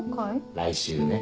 来週ね。